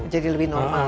jadi lebih normal